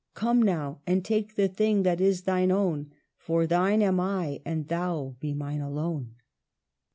Come, now, and take the thing that is thine own ; For thine am I, and thou be mine alone."